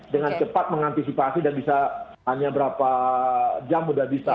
dengan cepat mengantisipasi dan bisa hanya berapa jam sudah bisa